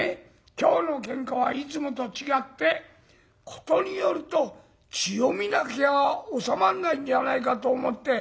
今日の喧嘩はいつもと違って事によると血を見なきゃ収まんないんじゃないかと思って」。